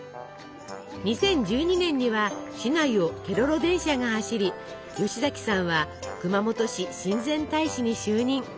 ２０１２年には市内をケロロ電車が走り吉崎さんは熊本市親善大使に就任。